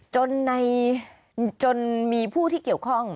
จนมีผู้ที่เกี่ยวข้อง